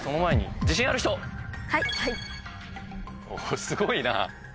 おすごいな。